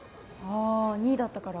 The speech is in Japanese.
あ２位だったから？